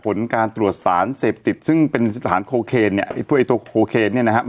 ผลการตรวจสารเสพติดซึ่งเป็นสถานโคเคนเนี่ยไอ้พวกไอ้ตัวโคเคนเนี่ยนะครับ